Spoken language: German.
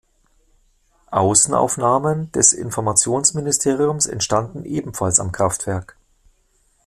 Außenaufnahmen des Informationsministeriums entstanden ebenfalls am Kraftwerk.